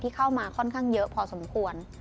เข้ามาค่อนข้างเยอะพอสมควร